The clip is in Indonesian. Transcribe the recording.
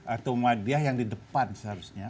atau madyah yang di depan seharusnya